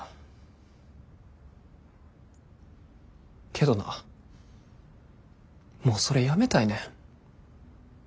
けどなもうそれやめたいねん。